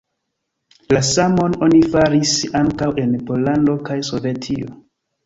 La samon oni faris ankaŭ en Pollando kaj Sovetio.